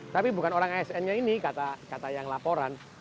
tapi bukan orang asnnya ini kata yang laporan